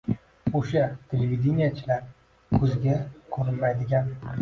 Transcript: O‘sha, televideniyechilar ko‘ziga ko‘rinmaydigan